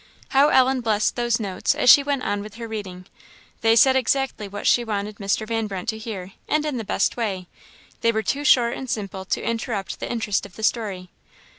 How Ellen blessed those notes as she went on with her reading! They said exactly what she wanted Mr. Van Brunt to hear, and in the best way, and were too short and simple to interrupt the interest of the story.